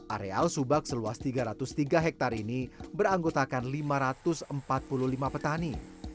areal subak seluas tiga ratus tiga hektare ini beranggotakan lima ratus empat puluh lima petani